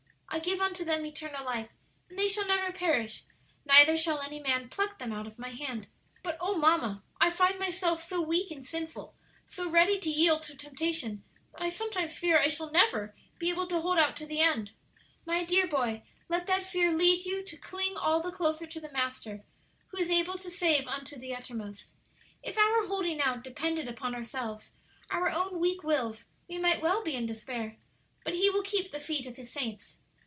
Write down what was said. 'I give unto them eternal life; and they shall never perish, neither shall any man pluck them out of my hand.'" "But oh, mamma, I find myself so weak and sinful, so ready to yield to temptation, that I sometimes fear I shall never be able to hold out to the end!" "My dear boy, let that fear lead you to cling all the closer to the Master, who is able to save unto the uttermost. If our holding out depended upon ourselves, our own weak wills, we might well be in despair; but 'He will keep the feet of His saints.'